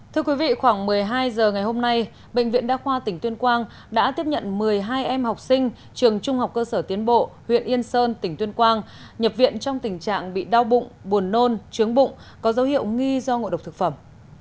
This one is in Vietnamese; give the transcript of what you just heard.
thưa quý vị khoảng một mươi hai h ngày hôm nay bệnh viện đa khoa tỉnh tuyên quang đã tiếp nhận một mươi hai em học sinh trường trung học cơ sở tiến bộ huyện yên sơn tỉnh tuyên quang nhập viện trong tình trạng bị đau bụng buồn nôn trướng bụng có dấu hiệu nghi do ngộ độc thực phẩm